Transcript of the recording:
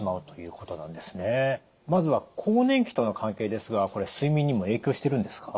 まずは更年期との関係ですがこれ睡眠にも影響してるんですか？